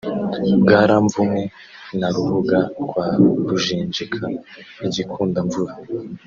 bwaramvuwe na Rubuga rwa Rujenjeka i Gikundamvura